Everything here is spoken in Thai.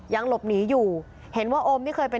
ยังหลบหนีอยู่เห็นว่าโอมนี่เคยเป็น